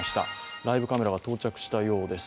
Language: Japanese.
ライブカメラが到着したようです。